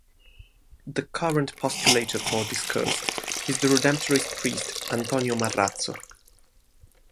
The current postulator for this cause is the Redemptorist priest Antonio Marrazzo.